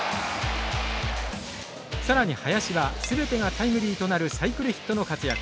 更に林は全てがタイムリーとなるサイクルヒットの活躍。